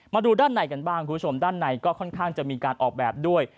มาดูด้านในกันบ้างคุณผู้ชมด้านในก็ค่อนข้างจะมีการออกแบบด้วย